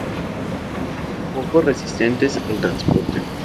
Poco resistentes al transporte.